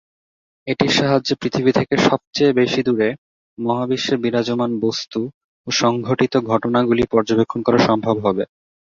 এটির সাহায্যে পৃথিবী থেকে সবচেয়ে বেশি দূরে মহাবিশ্বে বিরাজমান বস্তু ও সংঘটিত ঘটনাগুলি পর্যবেক্ষণ করা সম্ভব হবে।